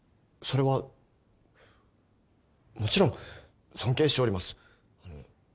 それはもちろん尊敬しております。